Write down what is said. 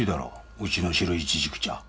うちの白イチジク茶。